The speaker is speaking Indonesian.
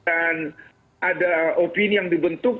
ada opini yang dibentuk